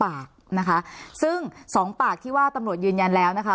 สำคัญอย่างน้อยนะคะอย่างน้อย๒ปากซึ่ง๒ปากที่ว่าตำรวจยืนยันแล้วนะคะ